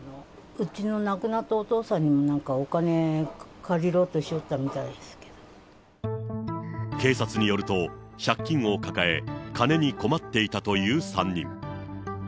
うちの亡くなったお父さんにもなんかお金借りようとしよったみた警察によると、借金を抱え、金に困っていたという３人。